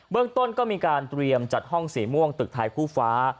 เรื่องต้นก็มีการเตรียมจัดห้องสีม่วงตึกไทยคู่ฟ้า